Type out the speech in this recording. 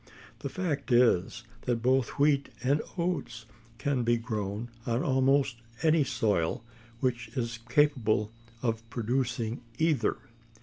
The fact is, that both wheat and oats can be grown on almost any soil which is capable of producing either.